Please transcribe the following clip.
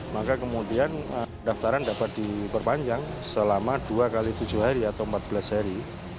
maka kemudian pendaftaran dapat diperpanjang selama dua x tujuh hari atau empat belas hari